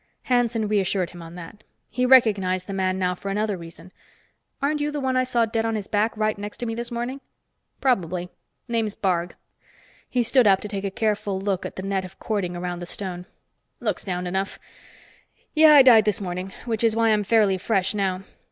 Hanson reassured him on that. He recognized the man now for another reason. "Aren't you the one I saw dead on his back right next to me this morning?" "Probably. Name's Barg." He stood up to take a careful look at the net of cording around the stone. "Looks sound enough. Yeah, I died this morning, which is why I'm fairly fresh now.